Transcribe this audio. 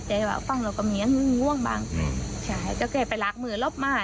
หัวใจว่าฝั่งเราก็มีกันง่่วงบ้างแสกก็ไปลากมือร๗บ้าง